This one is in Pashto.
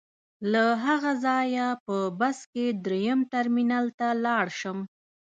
له هغه ځایه په بس کې درېیم ټرمینل ته لاړ شم.